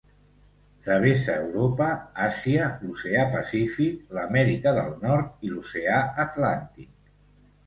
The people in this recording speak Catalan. Travessa Europa, Àsia, l'Oceà Pacífic, l'Amèrica del Nord i l'oceà Atlàntic.